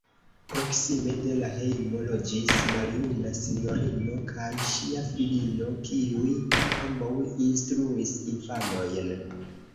Proksime de la hejmo loĝis maljuna sinjorino kaj ŝia filino, kiuj ambaŭ instruis infanojn.